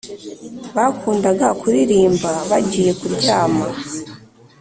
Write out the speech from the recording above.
bakundaga kuririmba bagiye kuryama